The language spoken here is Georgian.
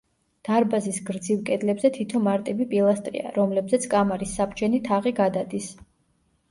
დარბაზის გრძივ კედლებზე თითო მარტივი პილასტრია, რომლებზეც კამარის საბჯენი თაღი გადადის.